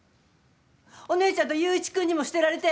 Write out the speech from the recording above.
お姉ちゃんと裕一君にも捨てられて。